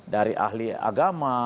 dari ahli agama